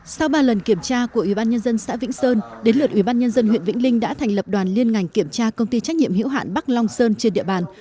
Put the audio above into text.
sau ba lần kiểm tra của ubnd xã vĩnh sơn đến lượt ubnd huyện vĩnh linh đã thành lập đoàn liên ngành kiểm tra công ty trách nhiệm hữu hạn bắc long sơn trên địa bàn